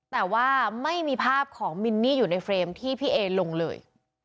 แต่ว่าไม่มีภาพของมินนี่อยู่ในเฟรมที่พี่เอลงเลย